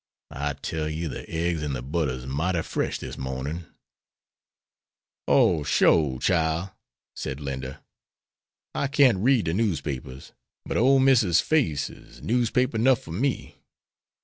I tell you the eggs and the butter's mighty fresh this morning." "Oh, sho, chile," said Linda, "I can't read de newspapers, but ole Missus' face is newspaper nuff for me.